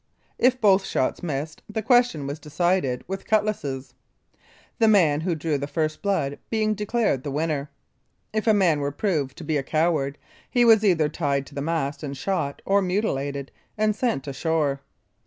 If both shots missed, the question was decided with cutlasses, the man who drew first blood being declared the winner. If a man were proved to be a coward he was either tied to the mast, and shot, or mutilated, and sent ashore.